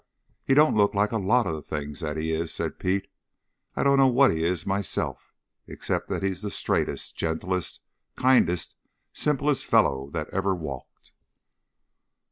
"He don't look like a lot of things that he is," said Pete. "I don't know what he is myself except that he's the straightest, gentlest, kindest, simplest fellow that ever walked."